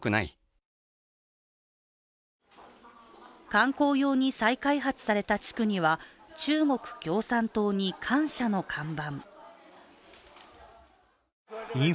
観光用に再開発された地区には「中国共産党に感謝」の看板。